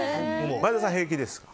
前田さんは平気ですか？